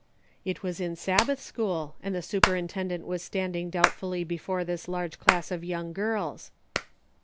It was in Sabbath school, and the superintend ent was standing doubtfully before this large class of young girls.